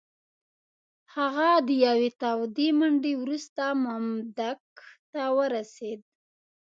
هغه د یوې تودې منډې وروسته مامدک ته ورسېد.